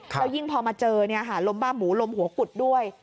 แล้วยิ่งพอมาเจอลมบ้าหมูลมหัวกุดด้วย